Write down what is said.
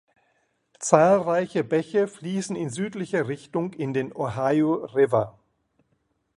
Zahlreiche Bäche fließen in südlicher Richtung in den Ohio River.